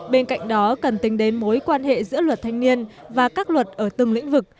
bên cạnh đó cần tính đến mối quan hệ giữa luật thanh niên và các luật ở từng lĩnh vực